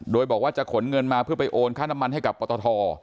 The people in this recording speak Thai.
โดยบอกว่าจะขนเงินมาเพื่อไปโอนค่าน้ำมันให้กับปตท